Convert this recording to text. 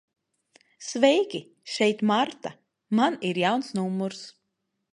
Sveiki, šeit Marta. Man ir jauns numurs.